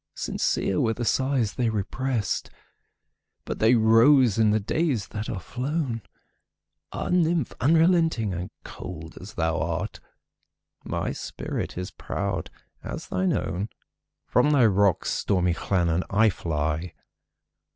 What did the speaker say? Sincere were the sighs they represt, But they rose in the days that are flown! Ah, nymph! unrelenting and cold as thou art, My spirit is proud as thine own! From thy rocks, stormy Llannon, I fly.